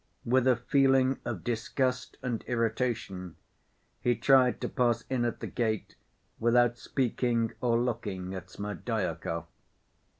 With a feeling of disgust and irritation he tried to pass in at the gate without speaking or looking at Smerdyakov.